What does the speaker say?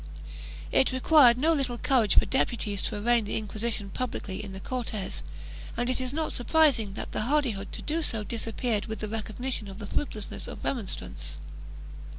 1 It required no little courage for deputies to arraign the Inquisition publicly in the Cortes, and it is not surprising that the hardihood to do so disappeared with the recognition of the fruitlessness of remonstrance.